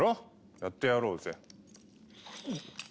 やってやろうぜ。